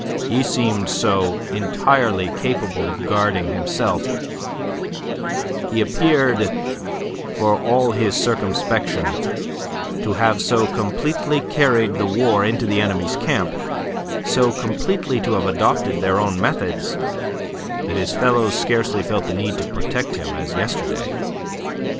He seemed so entirely capable of guarding himself; he appeared, for all his circumspection, to have so completely carried the war into the enemy's camp, so completely to have adopted their own methods, that his fellows scarcely felt the need to protect him as yesterday.